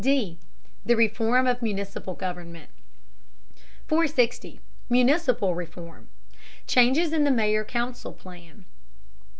D. THE REFORM OF MUNICIPAL GOVERNMENT 460. MUNICIPAL REFORM: CHANGES IN THE MAYOR COUNCIL PLAN.